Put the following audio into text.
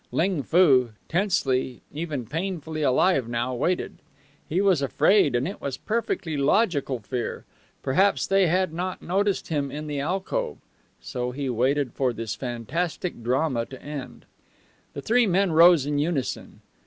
Ling Foo, tensely, even painfully alive now, waited. He was afraid, and it was perfectly logical fear. Perhaps they had not noticed him in the alcove. So he waited for this fantastic drama to end. The three men rose in unison.